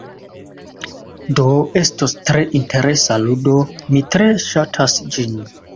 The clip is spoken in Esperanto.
Do, estos tre interesa ludo, mi tre ŝatas ĝin.